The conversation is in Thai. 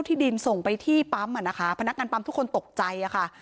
ที่ดินส่งไปที่ปั๊มอ่ะนะคะพนักงานปั๊มทุกคนตกใจค่ะ